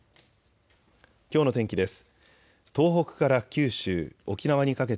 きょうの天気です。